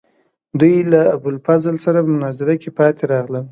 دوی له ابوالفضل سره په مناظره کې پاتې راغلل.